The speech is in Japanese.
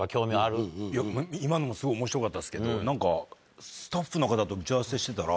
今のもすごい面白かったですけど何かスタッフの方と打ち合わせしてたら。